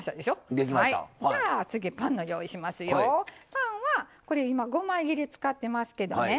パンはこれ今５枚切り使ってますけどね。